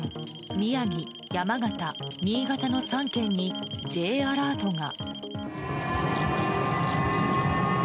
宮城、山形、新潟の３県にＪアラートが。